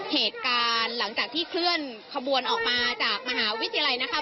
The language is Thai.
เหตุการณ์หลังจากที่เคลื่อนขบวนออกมาจากมหาวิทยาลัยนะคะ